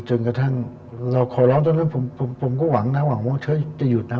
จนกระทั่งเราขอร้องตอนนั้นผมก็หวังนะหวังว่าเขาจะหยุดนะ